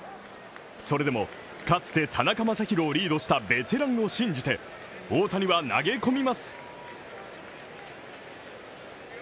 それでもかつて田中将大をリードしたベテランを信じて大谷は投げ込みます。